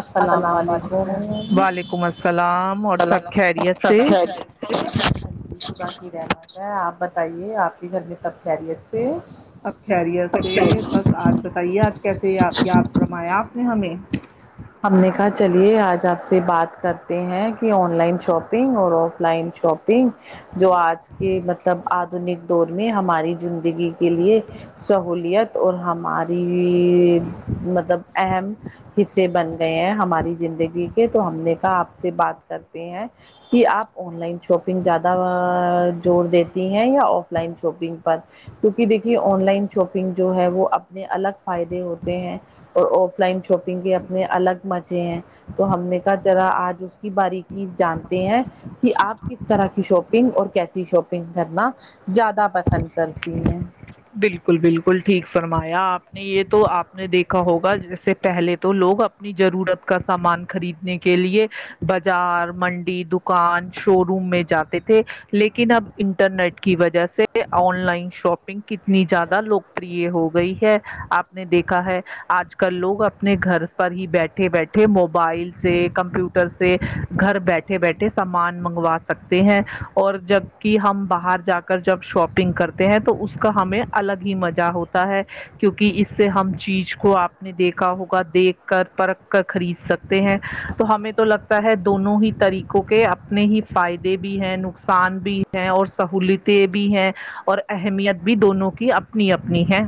السلام علیکملری وعلیکم السلام اور سب خیریت سے ہاں جی صبح کی رہمات ہے آپ بتائیے آپ کے گھر میں سب خیریت سے اب خیریت سے اچھا بس آج بتائیے آج کیسےپ کیا فرمایا آپ نے ہمیں ہم نے کہا چلیے آج آپ سے بات کرتے ہیں کہ آن لائن شاپنگ اور آف لائن شاپ جو آج کے مطلب آدنک دور میں ہماری زندگی کے لیے سہولیت اور ہمارے مطلب اہم حصے بن گئے ہیں ہماری زندگی تو ہم نے کہا آپ سے بات کرتے ہیں کہ آپ آن لائن شاپنگ زیادہ جوور دیتی ہیں یا آف لائن شاپنگ پر کیونکہ دیکھیے آن لائن شاپنگ جو ہے وہ اپنے الگ فائدے ہوتے ہیں اور آف لائن شاپنگ کے اپنے الگ مزے ہیں تو ہم نے کہا ذرا آج اس باری کیی جانتے ہیں کہ آپ کس طرح کی شاپنگ اور کیسی شاپنگ کرنا زیادہ پسند کرتی ہیں بالکل بالکل ٹھیک فرمایا آپ نے یہ تو آپ نے دیکھا ہوگا جیس سے پہلے تو لوگ اپنی ضرورت کا سامان خریدنے کے لیے بازار منڈی کان شو روم میں جاتے تھے لیکن اب انٹرنیٹ کی وجہ سے آن لائن شاپنگ کتنی زیادہ لوکپری ہو گئی ہے آپ نے دیکھا ہے آج کل لوگ اپنے گھر پر ہی بیٹھے بیٹھے موبائل سے کمپیوٹر سے سے گھر بیٹھے بیٹھے سامان منگوا سکتے ہیں اور جبک ہم باہر جا کر جب شاپنگ کرتے ہیں تو اس کا ہمیں الگ ہی مزہ ہوتا ہے کیونکہ اس سے ہم چیز کو آپ نے دیکھا ہوگا دیکھ کر پرکھ کر خرید سکتے ہیں تو ہمیں تو لگتا ہے دونوں ہی طریقوں کے اپنے ہی فائدے بھی ہیں نقصان بھی ہیں اور سہولتیں بھی ہیں اور اہمیت بھی دونوں کی اپنی اپنی ہیں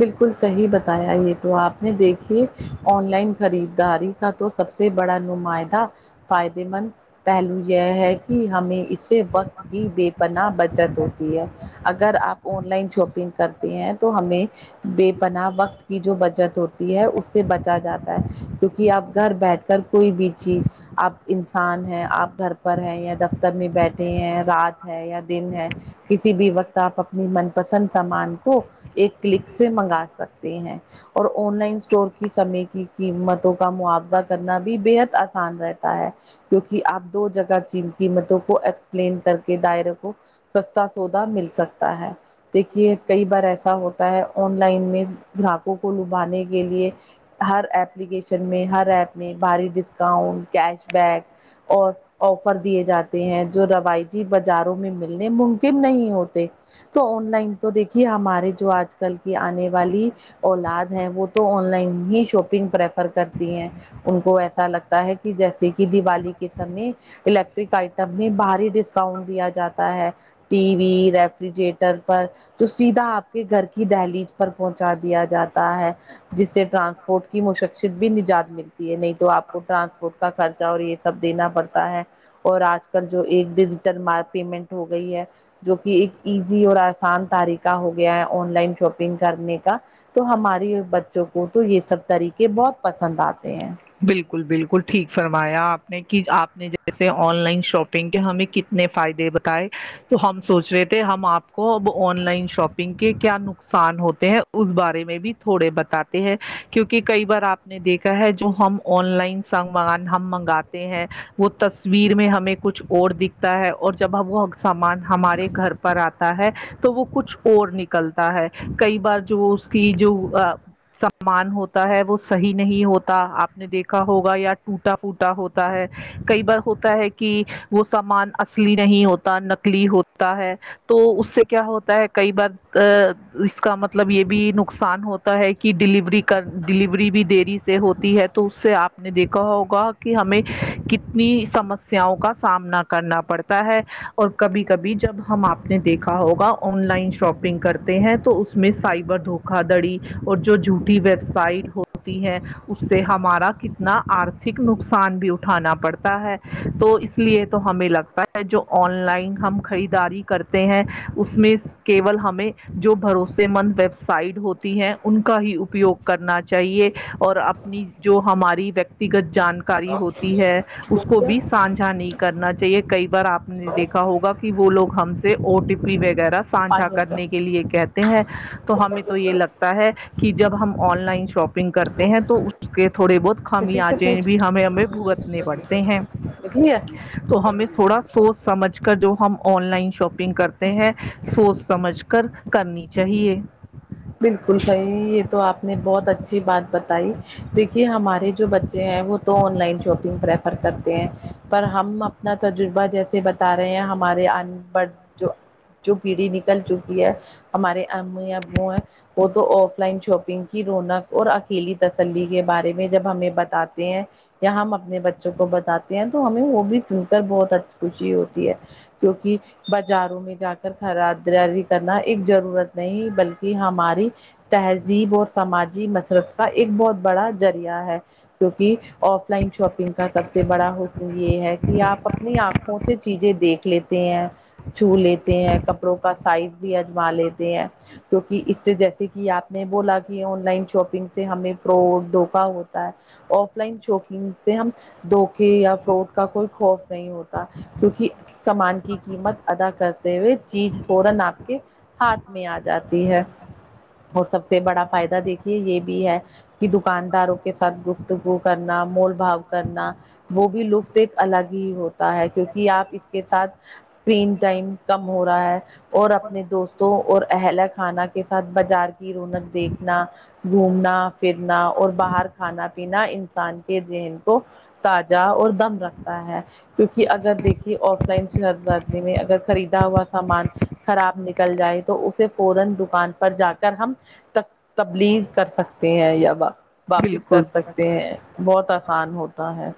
بالکل صحیح بتایا یہ تو آپ نے دیکھیے آن لائن خریداری کا تو سب سے بڑا نمائدہ فائدے مند پہلو یہ ہے کہ ہمیں اس اس سے وقت کی بے پناہ بچت ہوتی ہے اگر آپ آن لائن شاپنگ کرتے ہیں تو ہمیں بے پناہ وقت کی جو بچت ہوتی ہے اس سے بچا جاتا ہے کیونکہ اب گھر بیٹھ کر کوئی بھی چیز آپ انسان ہے آپ گھر پر ہیں یا دفتر میں بیٹھے ہیں رات ہے یا دن ہے کسی بھی وقت آپ اپنی من پسند سامان کو ایک کلک سے منگا سکتے ہیں اور آن لائن اسٹور کی سمے کی قیمتوں کا موضہ قبض کرنا بھی بےحد آسان رہتا ہے کیونکہ آپ دو جگہ چیم قیمتوں کو ایکسپلین کر کے دائرے کو سستا سودا مل سکتا ہے دیکھیے کئی بار ایسا ہوتا ہے آن لائن میں گراہکوں کو لبانے کے لیے ہر ایپلیکیشن میں ہر ایپ میں بھاری ڈسکاؤنٹ کیش بیک اور آفر دیے جاتے ہیں جو روایتی بازاروں میں ملنے ممکن نہیں ہوتے تو آن لائن تو دیکھیے ہمارے جو آج کل کی آنے والی اولاد ہے وہ تو آن لائن ہی شاپنگ پریفر کرتی ہیں ان کو ایسا لگتا ہے کہ جیسے کہ دیوالی کے سمے الیکٹرک آئٹم میں بھاری ڈسکاؤنٹ دیا جاتا ہے ٹی وی ریفریجریٹر پر تو سیدھا آپ کے گھر کے کی دہلی پر پہنچا دیا جاتا ہے جس سے ٹرانسپورٹ کی مشقصت بھی نجات ملتی ہے نہیں تو آپ کو ٹرانسپورٹ کا خرچہ اور یہ سب دینا پڑتا ہے اور آج کل جو ایک ڈیجیٹل مار پیمنٹ ہو گئی ہے جو کہ ایک ایزی اور آسان طریقہ ہو گیا ہے آن لائن شاپنگ کرنے کا تو ہماری بچوں کو تو یہ سب طریقے بہت پسند آتے ہیں بالکل بالکل ٹھیک فرمایا آپ نے کہ آپ نے جیسے آن لائن شاپنگ کے ہمیں ک نے فائدے بتائے تو ہم سوچ رہے تھے ہم آپ کو اب آن لائن شاپ کے کیا نقصان ہوتے ہیں اس بارے میں بھی تھوڑے بتاتے ہیں کیونکہ کئی بار آپ ہم نے دیکھا ہے جو ہم آن لائن سنگ مگان ہم منگاتے ہیں وہ تصویر میں ہمیں کچھ اور دکھتا ہے اور جب ہم وہ سامان ہمارے گھر پر آتا ہے تو وہ کچھ اور نکلتا ہے کئی بار جو اس کی جو سامان ہوتا ہے وہ صحیح نہیں ہوتا آپ نے دیکھا ہوگا یا ٹوٹا پھوٹا ہوتا ہے کئی بار ہوتا ہے کہ وہ سامان اصلی نہیں ہوتا نکلی ہوتا ہے تو اس سے کیا ہوتا ہے کئی بار اس کا مطلب یہ بھی نقصان ہوتا ہے کہ ڈیلیوری کر ڈلیوری بھی دری ہوتی ہے تو اس سے آپ نے دیکھا ہوگا کہ ہمیں کتنی سمسیاؤ کا سامنا کرنا پڑتا ہے اور کبھی کبھی جب ہم آپ نے دیکھا ہوگا آن لائن شاپنگ کرتے ہیں تو اس میں سائبر دھوکا دڑی اور جو جھوٹی ویب سائٹ ہو ہوتی ہے اس سے ہمارا کتنا آرتھک نقصان بھی اٹھانا پڑتا ہے تو اس لیے تو ہمیں لگتا ہے جو آن لائن ہم خریداری کرتے ہیں اس میں کیول ہمیں جو بھروسے مند ویب سائڈ ہوتی ہیں ان کا ہی اپیوگ کرنا چاہیے اور اپنی جو ہماری ویکتیگت جان کاری ہوتی ہے اس کو بویا بھی سانھا نہیں کرنا چاہیے کئی بار آپ نے دیکھا ہوگا کہ وہ لوگ ہم سے او ٹی پی وغیرہ سانھا پانی کا کرنے کے لیے کہتے ہیں تو ہمیں تو یہ لگتا ہے کہ جب ہم آن لائن شاپنگ کرتے ہیں تو اس کے تھوڑے بہت ہم کسی سے آج پوچھ بھی ہمیں ہمیں بھگتنے بڑھتے ہیں نکلی ہے تو ہمیں تھوڑا سوچ سمجھ کر جو ہم آن لائن شاپنگ کرتے ہیں سوچ سمجھ کر کرنی چاہیے بالکل صحیح یہ تو آپ نے بہت اچھی بات ب دیکھیے ہمارے جو بچے ہیں وہ تو آن لائن شاپنگ پریفر کرتے پر ہم اپنا تجربہ جیسے بتا رہے ہیں ہمارے بڑھ جو جو پیڑھی نکل چکی ہے ہمارے ا یا بو ہے وہ تو آف لائن شاپنگ کی رونق اور اکیلی تسلی کے بارے میں جب ہمیں بتاتے ہیں یا ہم اپنے بچوں کو بتاتے ہیں تو ہمیں وہ بھی سن کر بہت اچ خوشی ہوتی ہے کیوںکہ بازاروں میں جا کر خراداری کرنا ایک ضرورت نہیں بلکہ ہم ہماری تہذیب اور سماجی مسرت کا ایک بہت بڑا ذریعہ ہے کیونکہ آف لائن شاپنگ کا سب سے بڑا حصن یہ ہے کہ آپ اپنی آنکھوں سے چیزیں دیکھ لیتے چھو لیتے ہیں کپڑوں کا سائز بھی اجما لیتے ہیں کیکہ اس سے جیسے کہ آپ نے بولا کہ آن لائن شاپنگ سے ہمیں فراڈ دھوکا ہوتا ہے آف لائن شوپنگ سے ہم دھوکے یا فروٹ کا کوئی خوف نہیں ہوتا کیونکہ سامان کی قیمت ادا کر ہو چیز فورن آپ کے ہاتھ میں آ جاتی ہے اور سب سے بڑا فائدہ دیکھیے یہ بھی ہے کی دکانداروں کے ساتھ گفتگو کرنا مول بھاؤ کرنا وہ بھی لطف ایک الگ ہی ہوتا ہے کیونکہ آپ اس کے ساتھ اسکرین ٹائم کم ہو رہا ہے اور اپنے دوستوں اور اہلا کھانا کے ساتھ بازار کی رونق دیکھنا گھومنا پھرنا اور باہر کھانا پینا انسان کے ذہن کو تازہ اور دم رکھتا ہے کیونکہ اگر دیکھیے آف لائن شہردی میں اگر خریدا ہوا سامان خراب نکل جائے تو اسے فورن دکھ ان پر جا کر ہم تبلیغ کر سکتے ہیں یا واپس کر بالکل سکتے ہیں بہت آسان ہوتا ہے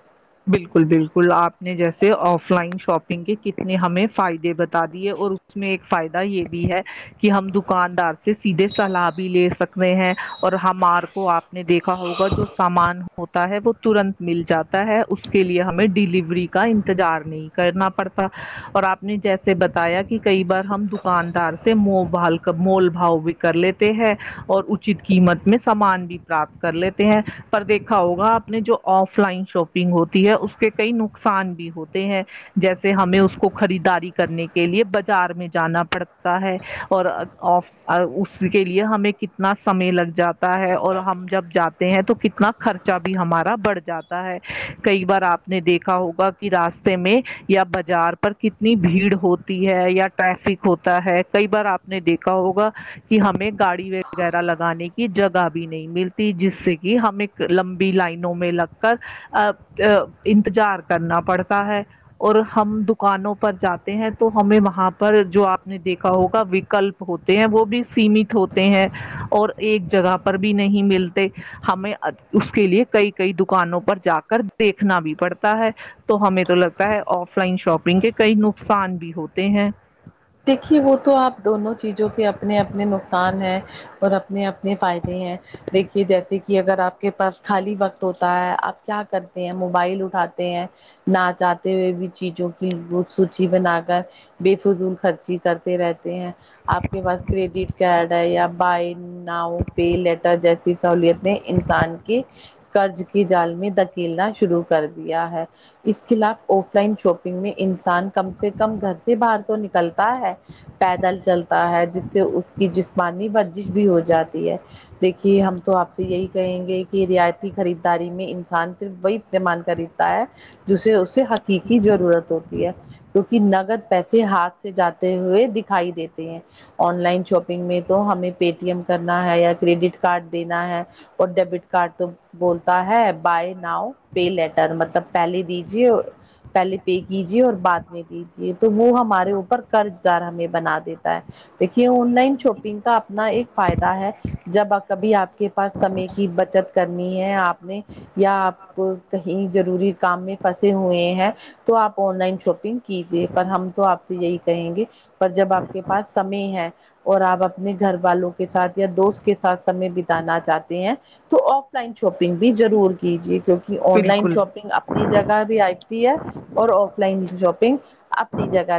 بالکل بالکل آپ نے جیسے آف لائن شاپنگ کے کتنے ہمیں فائدے بتا دیے اور اس میں ایک فائدہ یہ بھی ہے کہ ہم دکاندار سے سیدھے صلاح بھی لے سکتے ہیں اور ہمار کو آپ نے دیکھا ہوگا جو سامان ہوتا ہے وہ ترنت مل جاتا ہے اس کے لیے ہمیں ڈیلیوری کا انتظار نہیں کرنا پڑتا اور آپ نے جیسے بتایا کہ کئی بار ہم دکاندار سے منہ بھال کر مول بھاؤ بھی کر لیتے ہیں اور اچت قیمت میں سامان بھی پراپت کر لیتے ہیں پر دیکھا ہوگا آپ نے جو آف لائن شاپ ہوتی ہے اس کے کئی نقصان بھی ہوتے ہیں جیسے ہمیں اس کو خریداری کرنے کے لیے بازار میں جانا پڑتا ہے اور آف اور اس کے لیے ہمیں کتنا سمے لگ جاتا ہے اور ہم جب جاتے ہیں تو کتنا خرچہ بھی ہمارا بڑھ جاتا ہے کئی بار آپ نے دیکھا ہوگا کہ راستے میں یا بازار پر کتنی بھیڑ ہوتی ی ہے یا ٹریفک ہوتا ہے کئی بار آپ نے دیکھا ہوگا کہ ہمیں گاڑی وغیرہ لگانے کی جگہ بھی نہیں ملتی جس سے کہ ہمیں لمبی لائنوں میں لگ کر انتظار کرنا پڑتا ہے اور ہم دکانوں پر جاتے ہیں تو ہمیں وہاں پر جو آپ نے دیکھا ہوگا وکلپ ہوتے ہیں وہ بھی سیمت ہوتے ہیں اور ایک جگہ پر بھی نہیں ملتے ہمیں اس کے لیے کئی کئی دکانوں پر جا کر دیکھنا بھی پڑتا ہے تو ہمیں تو لگتا ہے آف لائن شاپنگ کے کئی نقصان بھی ہوتے ہیں دیکھیے وہ تو آپ دونوں چیزوں کے اپنے اپنے نقصان ہیں اور اپنے اپنے فائدے ہیں دیکھیے جیسے کہ اگر آپ کے پاس خالی وقت ہوتا ہے آپ کیا کرتے ہیں موبائل اٹھاتے ہیں ناچاہتے ہوئے بھی چیزوں کی سوچی بنا کر بے فضول خرچی کرتے رہتے ہیں آپ کے پاس کریڈٹ کارڈ ہے یا بائ ناؤ پے لیٹر جیسی سہولتیں انسان کی قرض کی جالمی دکیلنا شروع کر دیا ہے اس خلاف آف لائن شاپنگ میں انسان کم سے کم گھر سے باہر تو نکلتا ہے پیدل چلتا ہے جس سے اس کی جسمانی ورزش بھی ہو جاتی ہے دیکھیے ہم تو آپ سے یہی کہیں گے کہ رعایتی خریداری میں انسان صرف وہی استعمال خریدتا ہے جسے اسے حقیقی ضرورت ہوتی ہے کیکہ نگد پیسے ہاتھ سے جاتے ہوئے دکھائی دیتے ہیں آن لائن شاپنگ میں تو ہمیں پے ٹی ایم کرنا ہے یا کریڈٹ کارڈ دینا ہے اور ڈیبٹ کارڈ تو بولتا ہے بائی ناؤ پے لیٹر مطلب پہلے دیجے پہلے پے کیجیے اور بعد میں دیجیے تو وہ ہمارے اوپر قرض دار ہمیں بنا دیتا ہے دیکھیے آن لائن شاپنگ کا اپنا ایک فائدہ ہے جب کبھی آپ کے پاس سمے کی بچت کرنی ہے آپ نے یا آپ کہیں جضروری کام میں پھنسے ہوئے ہیں تو آپ آن لائن شاپنگ کیجیے پر ہم تو آپ یہی کہیں گے پر جب آپ کے پاس سمے ہے اور آپ اپنے گھر والوں کے ساتھ یا دوست کے ساتھ سمے بتانا چاہتے ہیں تو آف لائن شاپنگ بھی ضرور کیجیے کیونکہ آن لائن شاپنگ اپ اپنی جگہ ر آتی ہے اور آف لائن شاپنگ اپنی جگہ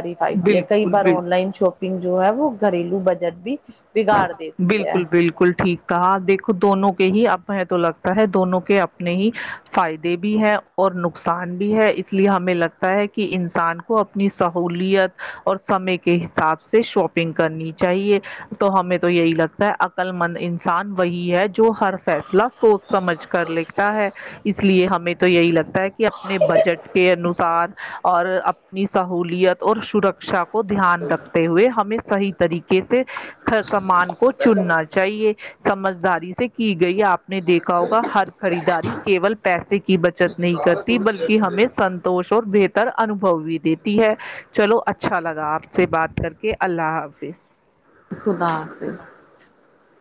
کئی بار بالکل آن لائن شاپنگ جو ہے وہ گھریلو بجٹ بھی بگاڑ دیتی ہے بالکل بالکل ٹھیک کہا دیکھو دونوں کے ہی اب تو لگتا ہے دونوں کے اپنے ہی فائدے بھی ہیں اور نقصان بھی ہے اس لیے ہمیں لگتا ہے کہ انسان کو اپنی سہولیت اور سمے کے حساب سے شاپنگ کرنی چاہیے تو ہمیں یہی لگتا ہے عقل مند انسان وہی ہے جو جو ہر فیصلہ سوچ سمجھ کر لکھتا ہے اس لیے ہمیں تو یہی لگتا ہے کہ اپنے بجٹ کے انوسار اور اپنی سہوولت اور سرکشا کو دھیان رکھتے ہوئے ہمیں صحیح طریقے سے سامان کو چننا چاہیے سمجھداری سے کی گئی آپ نے دیکھا ہوگا ہر خریداری کیول پیسے کی بچت نہیں کرتی بلکہ ہمیں سنتوش اور بہتر انوبو بھی دیتی ہے چلو اچھا لگا آپ سے بات کر کے اللہ حافظ خدا حافظ [unintelligible]